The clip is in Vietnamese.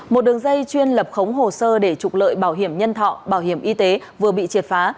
một đường dây chuyên lập khống hồ sơ để trục lợi bảo hiểm nhân thọ bảo hiểm y tế vừa bị triệt phá